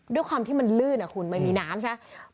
ด้วยความที่มันลื่นคุณมันมีน้ำใช่ไหม